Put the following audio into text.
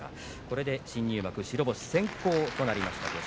これで新入幕白星先行となりました。